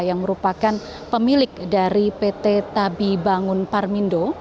yang merupakan pemilik dari pt tabi bangun parmindo